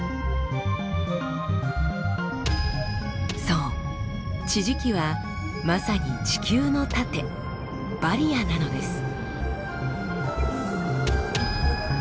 そう地磁気はまさに地球の盾バリアなのです。